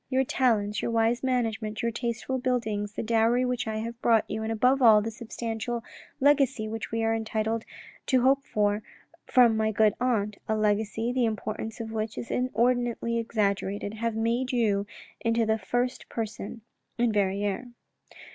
Your talents : your wise management, your tasteful buildings, the dowry which I have brought you, and above all, the substantial legacy which we are entitled to hope for from my good aunt, a legacy, the importance of which is inordinately exaggerated, have made you into the first person in Verrieres."